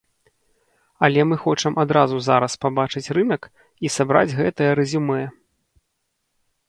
Але мы хочам адразу зараз пабачыць рынак і сабраць гэтыя рэзюмэ.